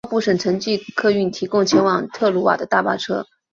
奥布省城际客运提供前往特鲁瓦的大巴车。